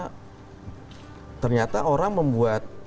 karena ternyata orang membuat